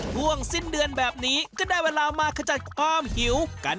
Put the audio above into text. ช่วงสิ้นเดือนแบบนี้ก็ได้เวลามาขจัดความหิวกัน